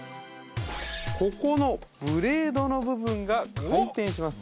ここのブレードの部分が回転します